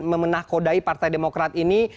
memenahkodai partai demokrat ini